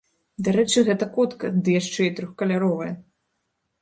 Дарэчы, гэта котка, ды яшчэ і трохкаляровая.